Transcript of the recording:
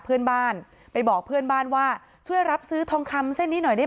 เพื่อนบ้านไปบอกเพื่อนบ้านว่าช่วยรับซื้อทองคำเส้นนี้หน่อยได้